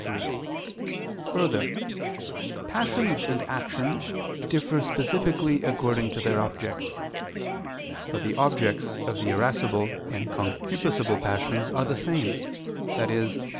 3: Further, passions and actions differ specifically according to their objects. But the objects of the irascible and concupiscible passions are the same, viz.